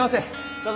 どうぞ！